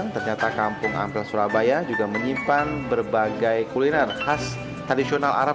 ternyata kampung ampel surabaya juga menyimpan berbagai kuliner khas tradisional arab